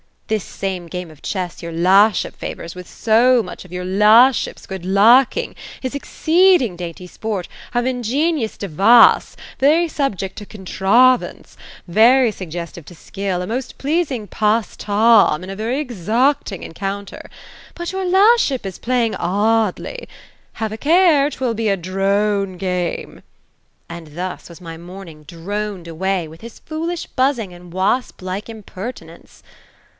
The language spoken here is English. This same game of chess your la'ship favors with so much of your la'ship*s good laking, is exceed ing dainty sport; of ingenious devoce, — very subject to contravance, — very suggcstnc to skill. — a most pleasing pastame, and of very exoating encounter. But your la' ship is playing adly. Have a care 1 'Twill be a dr^ne game !' and thus was my morning droned away, with his foolish buxzing, and wasplike impertinence."